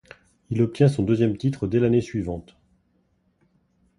Il obtient son deuxième titre dès l'année suivante.